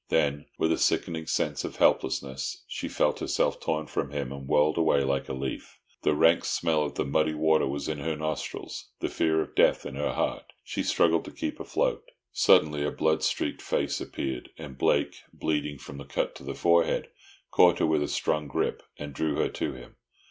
Then, with a sickening sense of helplessness, she felt herself torn from him, and whirled away like a leaf. The rank smell of the muddy water was in her nostrils, the fear of death in her heart. She struggled to keep afloat. Suddenly a blood streaked face appeared, and Blake, bleeding from a cut on the forehead, caught her with a strong grip and drew her to him.